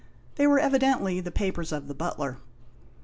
They were evidently the papers of the butler.